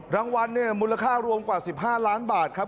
รางวัลเนี่ยมูลค่ารวมกว่า๑๕ล้านบาทครับ